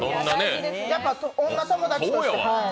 やっぱり女友達として。